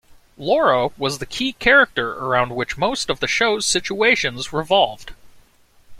Laura was the key character around which most of the show's situations revolved.